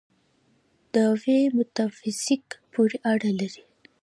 دعوې میتافیزیک پورې اړه لري.